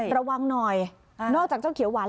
ระวังหน่อยนอกจากเจ้าเขียวหวาน